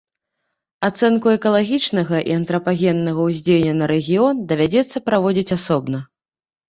Ацэнку экалагічнага і антрапагеннага ўздзеяння на рэгіён давядзецца праводзіць асобна.